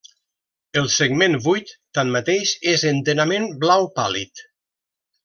El segment vuit, tanmateix, és enterament blau pàl·lid.